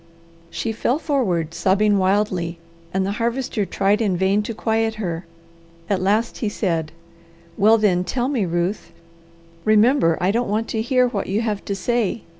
She fell forward sobbing wildly and the Harvester tried in vain to quiet her. At last he said, "Well then tell me, Ruth. Remember I don't want to hear what you have to say.